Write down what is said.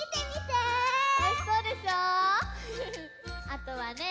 あとはね